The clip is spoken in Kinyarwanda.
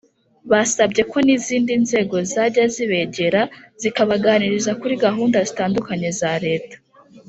Basabye ko n izindi nzego zajya zibegera zikabaganiriza kuri gahunda zitandukanye za leta